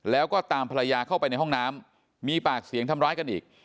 แล้วก็ตามภรรยาเข้าไปในห้องน้ำมีปากเสียงทำร้ายกันอีก